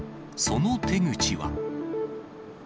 その手口は。